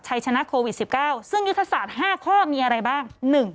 ชัยชนะโควิด๑๙ซึ่งยุทธศาสตร์๕ข้อมีอะไรบ้าง